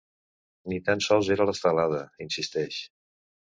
Ni tant sols era l’estelada, insisteix.